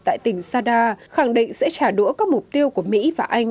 tại tỉnh sadda khẳng định sẽ trả đũa các mục tiêu của mỹ và anh